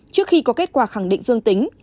trước khi có kết quả khẳng định dương tính